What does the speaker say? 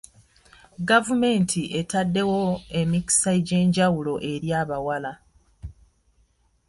Gavumenti etaddewo emikisa egy'enjawulo eri abawala.